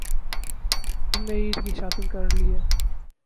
تم نے عید کی شاپنگ کر لی ہے؟